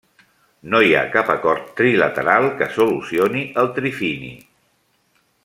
No hi ha cap acord trilateral que solucioni el trifini.